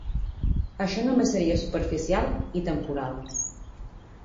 Això només seria superficial i temporal.